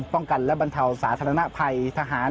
ป้องกันและบรรเทาสาธารณภัยทหาร